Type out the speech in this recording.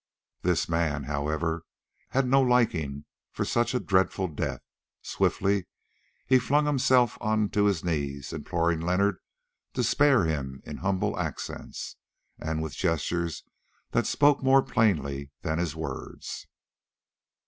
This man, however, had no liking for such a dreadful death. Swiftly he flung himself on to his knees, imploring Leonard to spare him in humble accents, and with gestures that spoke more plainly than his words.